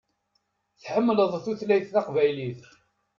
Tḥemmleḍ tutlayt taqbaylit.